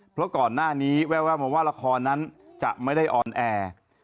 เพราะก่อนหน้านี้แววมาว่าละครนั้นจะไม่ได้ออนแอร์